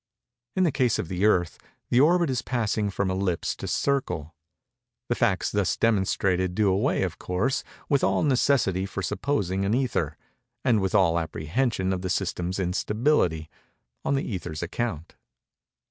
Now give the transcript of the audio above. In the case of the Earth, the orbit is passing from ellipse to circle. The facts thus demonstrated do away, of course, with all necessity for supposing an ether, and with all apprehension of the system's instability—on the ether's account.